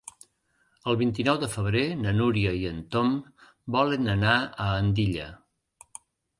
El vint-i-nou de febrer na Núria i en Tom volen anar a Andilla.